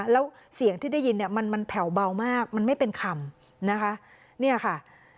แล้วเสียงที่ได้ยินเนี่ยมันแผ่วเบามากมันไม่เป็นคำนะคะเนี่ยค่ะ